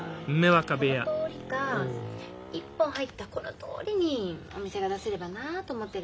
この通りか１本入ったこの通りにお店が出せればなと思ってるんです。